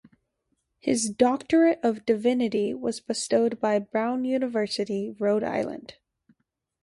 His Doctorate of Divinity was bestowed by Brown University, Rhode Island.